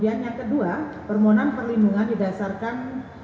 yang kedua permohonan perlindungan didasarkan